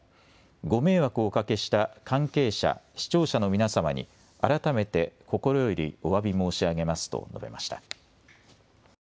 ご迷惑をおかけした関係者、視聴者の皆様に改めて心よりおわび申し上げますと述べました。